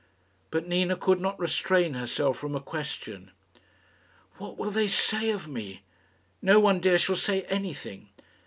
But Nina could not restrain herself from a question, "What will they say of me?" "No one, dear, shall say anything."